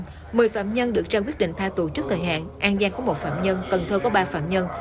trong đó một mươi phạm nhân được trang quyết định tha tù trước thời hạn an giang có một phạm nhân cần thơ có ba phạm nhân